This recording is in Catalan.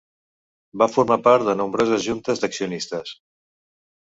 Va formar part de nombroses juntes d'accionistes.